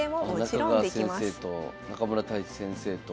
中川先生と中村太地先生と。